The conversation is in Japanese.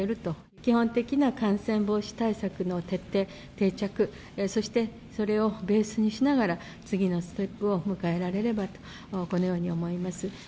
基本的な感染防止対策の徹底、定着、そしてそれをベースにしながら、次のステップを迎えられればと、このように思います。